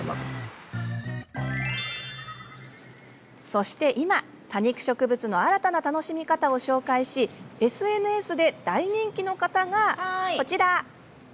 そして今、多肉植物の新たな楽しみ方を紹介しＳＮＳで大人気の方が、こちら。